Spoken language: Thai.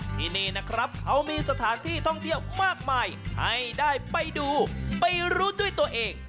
ที่นี่นะครับเขามีสถานที่ท่องเที่ยวมากมายให้ได้ไปดูไปรู้ด้วยตัวเอง